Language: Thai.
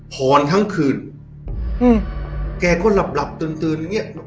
ผ่อนทั้งคืนอืมแกก็หลับหลับตื่นตื่นเงียบ